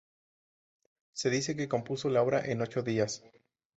Se dice que compuso la obra en ocho días.